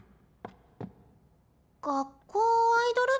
「学校アイドル部」？